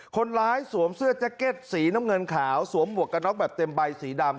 สวมเสื้อแจ็คเก็ตสีน้ำเงินขาวสวมหมวกกระน็อกแบบเต็มใบสีดำ